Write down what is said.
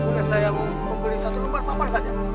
boleh saya membeli satu lubang papan saja